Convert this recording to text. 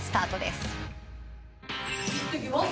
いってきます。